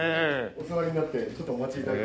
お座りになってちょっとお待ち頂いても。